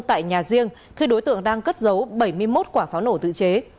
tại nhà riêng khi đối tượng đang cất giấu bảy mươi một quả pháo nổ tự chế